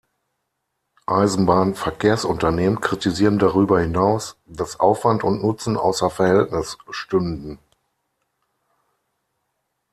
Eisenbahn-Verkehrsunternehmen kritisieren darüber hinaus, dass Aufwand und Nutzen außer Verhältnis stünden.